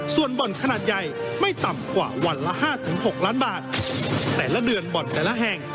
ส่วนบ่อนขนาดใหญ่ไม่ต่ำกว่าวันละห้าถึงหกล้านบาทแต่ละเดือนบ่อนแต่ละแห่ง